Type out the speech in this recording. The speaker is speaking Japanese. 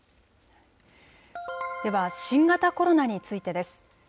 では、新型コロナについてです。